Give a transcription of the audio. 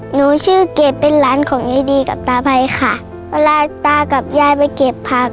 หนูชื่อเกดเป็นร้านของยายดีกับตากับพัยดี